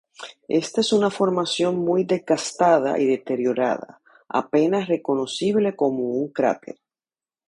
Esta es una formación muy desgastada y deteriorada, apenas reconocible como un cráter.